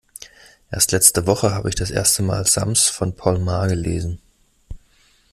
Erst letzte Woche habe ich das erste mal Sams von Paul Maar gelesen.